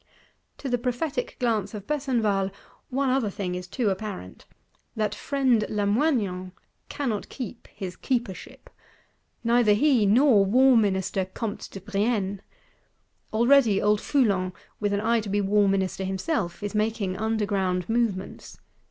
To the prophetic glance of Besenval, one other thing is too apparent: that Friend Lamoignon cannot keep his Keepership. Neither he nor War minister Comte de Brienne! Already old Foulon, with an eye to be war minister himself, is making underground movements.